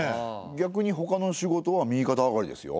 逆にほかの仕事は右かた上がりですよ。